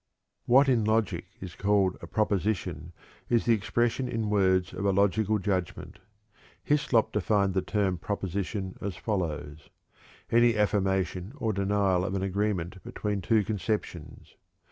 '" What in logic is called a "proposition" is the expression in words of a logical judgment. Hyslop defined the term "proposition" as follows: "Any affirmation or denial of an agreement between two conceptions."